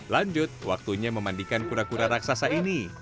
lanjut waktunya memandikan kura kura raksasa ini